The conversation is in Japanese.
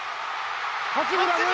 八村塁！